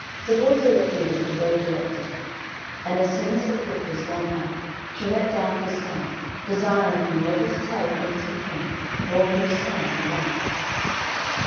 So Porziella did as the bird directed her; and as soon as the cook was gone out, she let down her son, desiring him never to tell whence he came nor whose son he was.